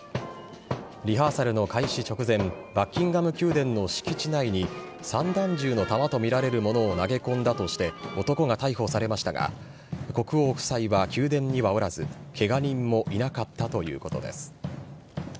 リハーサルの開始直前バッキンガム宮殿の敷地内に散弾銃の弾とみられるものを投げ込んだとして男が逮捕されましたが国王夫妻は宮殿にはおらずケガ人もいなかったということです。